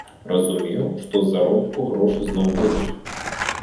Разумеў, што з заробку грошы зноў будуць.